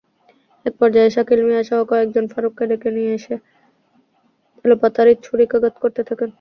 একপর্যায়ে শাকিল মিয়াসহ কয়েকজন ফারুককে ডেকে নিয়ে এলোপাতাড়ি ছুরিকাঘাত করতে থাকেন।